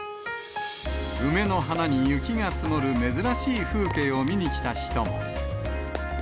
梅の花に雪が積もる珍しい風景を見に来た人も。